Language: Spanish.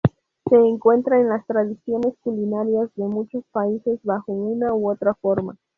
Se encuentra en las tradiciones culinarias de muchos países, bajo una u otra forma.